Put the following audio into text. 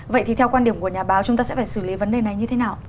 vậy thì theo quan điểm của nhà báo chúng ta sẽ phải xử lý vấn đề này như thế nào